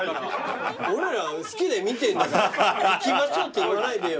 俺ら好きで見てんだから行きましょうって言わないでよ。